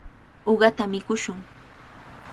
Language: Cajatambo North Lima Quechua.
Uqata mikushun.